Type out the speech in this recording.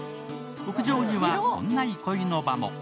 屋上にはこんな憩いの場も。